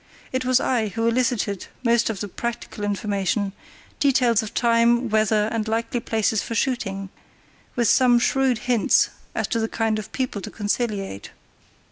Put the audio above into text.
It was I who elicited most of the practical information—details of time, weather, and likely places for shooting, with some shrewd hints as to the kind of people to conciliate.